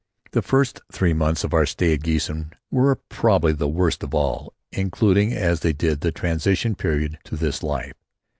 The first three months of our stay at Giessen were probably the worst of all, including as they did the transition period to this life.